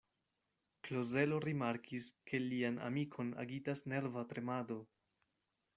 Klozelo rimarkis, ke lian amikon agitas nerva tremado.